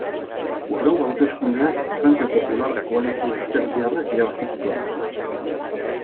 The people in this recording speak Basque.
Hurrengo hauteskundeak Frente Popular koalizio ezkertiarrak irabazi zituen.